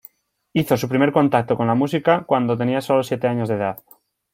Hizo su primer contacto con la música cuando tenía solo siete años de edad.